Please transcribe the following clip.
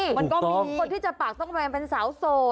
มันก็มีคนที่จะปากต้องแวงเป็นสาวโสด